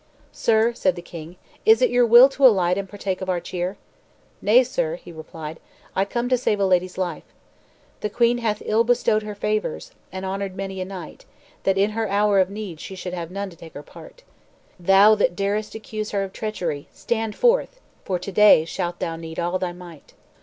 "Sir," said the king, "is it your will to alight and partake of our cheer?" "Nay, sir," he replied; "I come to save a lady's life. The queen hath ill bestowed her favors, and honored many a knight, that in her hour of need she should have none to take her part. Thou that darest accuse her of treachery, stand forth, for to day shalt thou need all thy might."